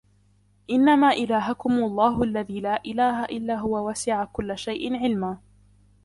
إنما إلهكم الله الذي لا إله إلا هو وسع كل شيء علما